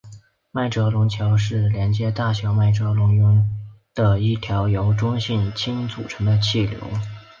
麦哲伦桥是连接大小麦哲伦云的一条由中性氢组成的气流。